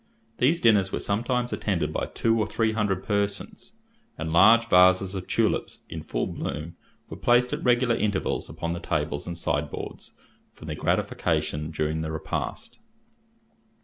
These dinners were sometimes attended by two or three hundred persons, and large vases of tulips, in full bloom, were placed at regular intervals upon the tables and sideboards for their gratification during the repast.